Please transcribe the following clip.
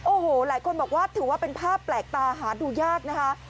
โอ้โหหลายคนบอกว่าถือว่าเป็นภาพแปลกตาหาดูยากนะคะ